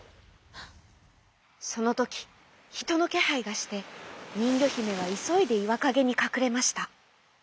そのときひとのけはいがしてにんぎょひめはいそいでいわかげにかくれました。